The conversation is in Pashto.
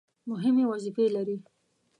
مهمې وظیفې لري.